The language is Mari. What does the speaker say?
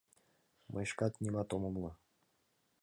— Мый шкат нимат ом умыло...